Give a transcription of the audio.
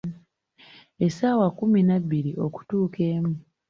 Essaawa kkumi na bbiri okutuuka emu.